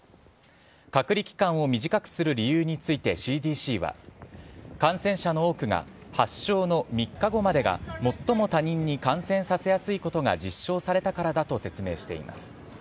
隔離期間を短くする理由について、ＣＤＣは、感染者の多くが発症の３日後までが最も他人に感染させやすいことが実証されたからだと説明しています。